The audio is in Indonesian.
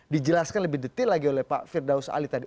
dijelaskan lebih detail lagi oleh pak firdaus ali tadi